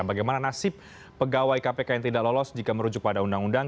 bagaimana nasib pegawai kpk yang tidak lolos jika merujuk pada undang undang